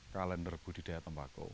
kalender budidaya tembakau